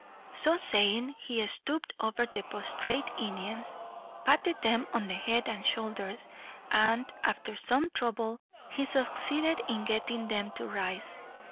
So saying, he stooped over the prostrate Indians, patted them on the head and shoulders; and, after some trouble, he succeeded in getting them to rise.